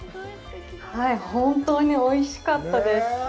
本当においしかったです。